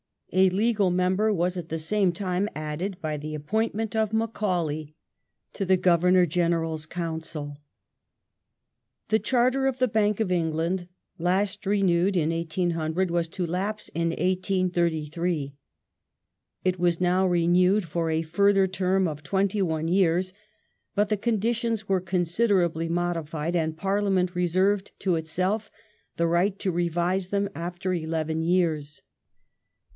A legal member was at the same time added by the appointment of Macau lay to the Governor General's Council. Bank The Charter of the Bank of England, last renewed in 1800, Charter ^g^ ^^ j^pg^ ^^ 1833. It was now renewed for a further term of twenty one years, but the conditions were considerably modified, and Parliament reserved to itself the right to revise them after eleven years.